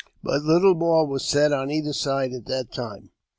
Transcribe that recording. But little more was said on either side at that time.